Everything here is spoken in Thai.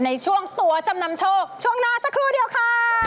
ในช่วงตัวจำนำโชคช่วงหน้าสักครู่เดียวค่ะ